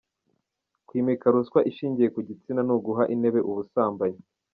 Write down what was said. Kwimika ruswa ishingiye ku gitsina ni uguha intebe ubusambanyi.